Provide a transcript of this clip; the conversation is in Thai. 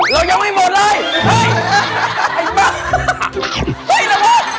เรายังไม่หมดเลย